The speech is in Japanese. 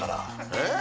えっ？